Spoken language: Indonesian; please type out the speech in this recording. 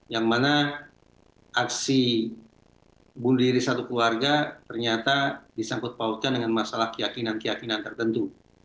yang mana aksi bunuh diri satu keluarga ternyata disangkut pautkan dengan masalah keyakinan keyakinan tertentu